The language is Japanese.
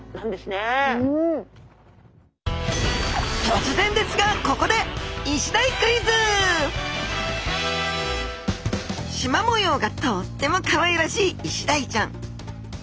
とつぜんですがここでしま模様がとってもかわいらしいイシダイちゃん。